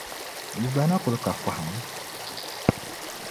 Yi gba na kul ka fahim?